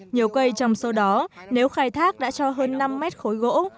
nhiều cây trong số đó nếu khai thác đã cho hơn năm mét khối gỗ